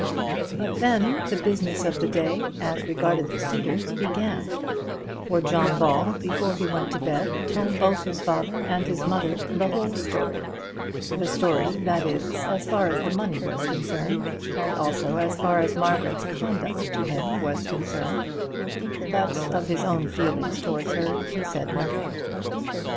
But then the business of the day as regarded the Cedars began; for John Ball, before he went to bed, told both his father and his mother the whole story, the story, that is, as far as the money was concerned, and also as far as Margaret's conduct to him was concerned; but of his own feelings towards her he said nothing.